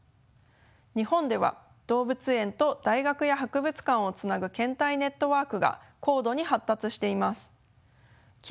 日本では動物園と大学や博物館をつなぐ献体ネットワークが高度に発達しています。